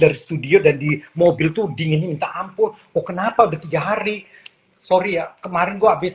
dari studio dan di mobil tuh dingin minta ampun oh kenapa udah tiga hari sorry ya kemarin gue habis